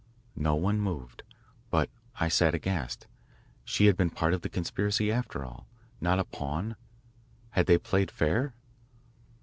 No one moved. But I sat aghast. She had been a part of the conspiracy, after all, not a pawn. Had they played fair?